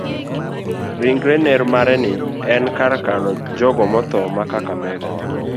Ringre ner mare ni e kar kano jogo motho ma kakamega.